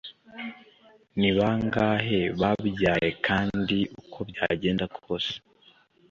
ni bangahe babyayekandi uko byagenda kose